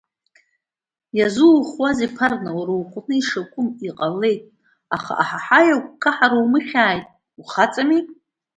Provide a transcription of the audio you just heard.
Иазуухуазеи, Ԥарна, уара уҟны ишакәым иҟалеит, аха аҳаҳаи агәкаҳара умыхьааит, ухаҵами!